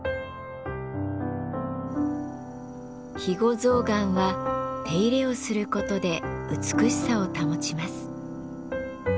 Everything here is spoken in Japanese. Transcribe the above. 肥後象がんは手入れをする事で美しさを保ちます。